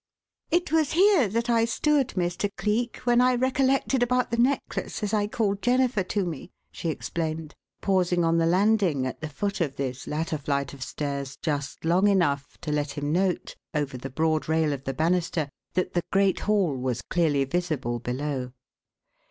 "It was here that I stood, Mr. Cleek, when I recollected about the necklace as I called Jennifer to me," she explained, pausing on the landing at the foot of this latter flight of stairs just long enough to let him note, over the broad rail of the banister, that the great hall was clearly visible below.